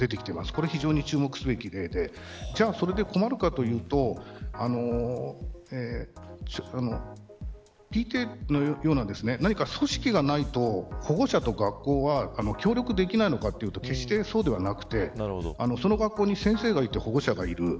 これは非常に注目すべき例でじゃあそれで困るかというとＰＴＡのような組織がないと保護者と学校は協力できないのかというと決してそうではなくてその学校に先生がいて保護者がいる。